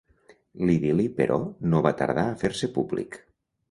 L'idil·li, però, no va tardar a fer-se públic.